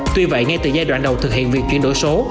tuy vậy ngay từ giai đoạn đầu thực hiện việc chuyển đổi số